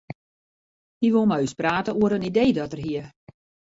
Hy woe mei ús prate oer in idee dat er hie.